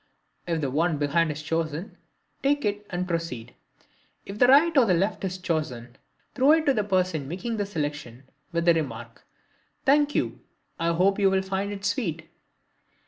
If the one behind is chosen take it and proceed. If the right or the left is chosen throw it to the person making the selection, with the remark, "Thank you, I hope you will find it sweet."